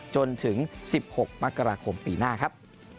จนถึง๑๖มกราคมปีหน้าครับ